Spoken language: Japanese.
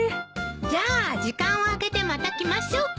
じゃあ時間を空けてまた来ましょうか。